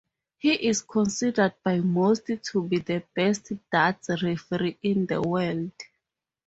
He is considered by most to be the best darts referee in the world.